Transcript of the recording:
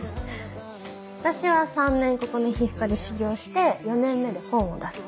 私は３年ここの皮膚科で修業して４年目で本を出す。